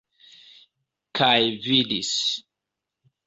Kaj vidis.